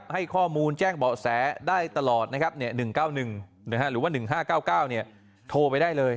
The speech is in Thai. ให้ข้อมูลแจ้งเบาะแสได้ตลอดนะครับ๑๙๑หรือว่า๑๕๙๙โทรไปได้เลย